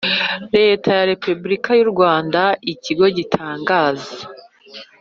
Leta ya Repubulika y u Rwanda Ikigo gitangaza